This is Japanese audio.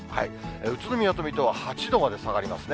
宇都宮と水戸は８度まで下がりますね。